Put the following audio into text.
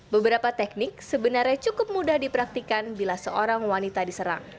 beberapa teknik sebenarnya cukup mudah dipraktikan bila seorang wanita diserang